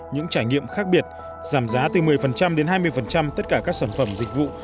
những trải nghiệm khác biệt giảm giá từ một mươi đến hai mươi tất cả các sản phẩm dịch vụ